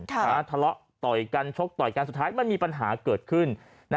ทะเลาะต่อยกันชกต่อยกันสุดท้ายมันมีปัญหาเกิดขึ้น